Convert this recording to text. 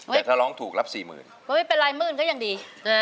หนึ่งหมื่นบาทก็ยังดี